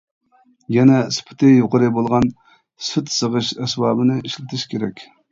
يەنە، سۈپىتى يۇقىرى بولغان سۈت سېغىش ئەسۋابىنى ئىشلىتىش كېرەك.